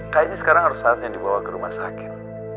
kayaknya sekarang harus saatnya dibawa ke rumah sakit